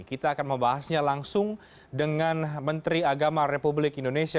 kita akan membahasnya langsung dengan menteri agama republik indonesia